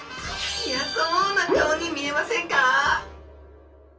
いやそうな顔に見えませんか？